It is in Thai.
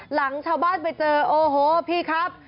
หลังชาวบ้านไปเจอโอ้โหพี่ครับ